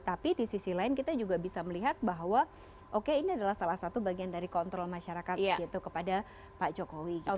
tapi di sisi lain kita juga bisa melihat bahwa oke ini adalah salah satu bagian dari kontrol masyarakat gitu kepada pak jokowi gitu